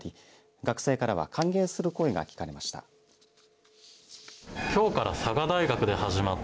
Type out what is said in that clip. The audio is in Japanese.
学生からは歓迎する声が聞かれました。